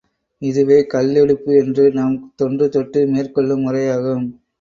இதுவே கல் எடுப்பு என்று நாம் தொன்று தொட்டு மேற்கொள்ளும் முறையாகும்.